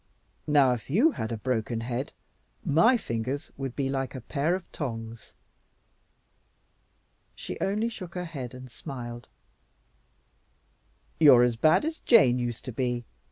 Now, if you had a broken head, my fingers would be like a pair of tongs." She only shook her head and smiled. "You're as bad as Jane used to be.